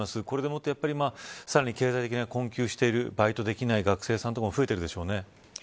これでもってさらに経済的に困窮しているバイクできない学生さんとかも増えているでしょうね。